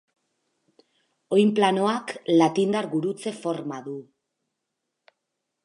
Oinplanoak latindar gurutze forma du.